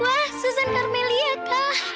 wah susan karmelia kak